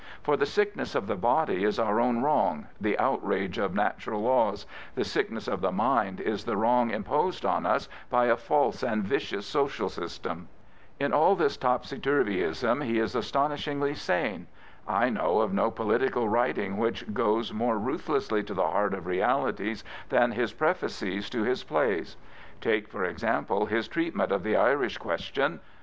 For the sickness of the body is our own wrong, the outr4^e of natural laws; the sickness of the mind is the wrong imposed on us by a false and vicious social system. In all this topsy turveyism he is astonishingly sane. I know of no political writing which goes more ruth lessly tq the heart of realities than his prefaces to his plays. Take, for example, his treatment of the Irish question.